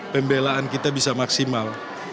pembelaan kita bisa maksimal